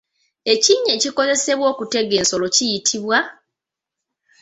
Ekinnya ekikozesebwa okutega ensolo kiyitibwa?